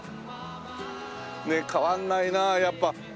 ねえ変わんないなやっぱ。